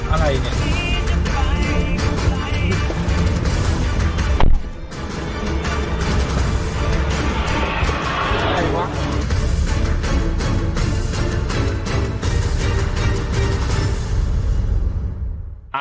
อะไรวะ